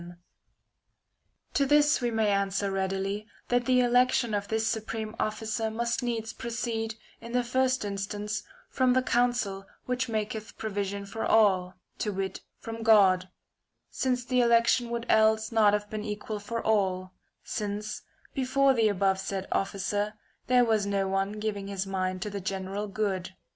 244 THE CONVIVIO Cm, Authority To this we may answer readily that the election of Rome gf ^his supreme officer must needs proceed, in the first instance, from the counsel which maketh provision for all, to wit from God ; since the election would else not have been equal for all ; since, before the above said officer, there was no one giving his mind to the general good.